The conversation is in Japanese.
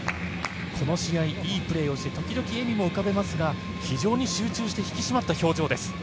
この試合、いいプレーをして時々笑みも浮かべますが非常に集中して引き締まった表情です。